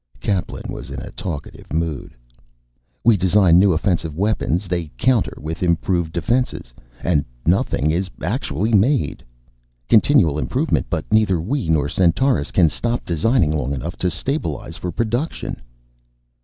Kaplan was in a talkative mood. "We design new offensive weapons, they counter with improved defenses. And nothing is actually made! Continual improvement, but neither we nor Centaurus can stop designing long enough to stabilize for production."